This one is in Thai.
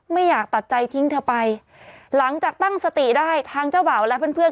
ไม่อยากตัดใจทิ้งเธอไปหลังจากตั้งสติได้ทางเจ้าบ่าวและเพื่อนเพื่อน